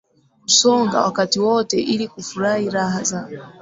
kusonga wakati wote ili kufurahi raha za